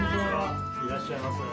いらっしゃいませ。